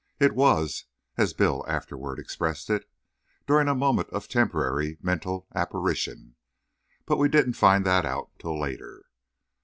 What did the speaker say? It was, as Bill afterward expressed it, "during a moment of temporary mental apparition"; but we didn't find that out till later.